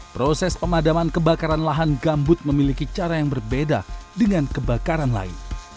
proses pemadaman kebakaran lahan gambut memiliki cara yang berbeda dengan kebakaran lain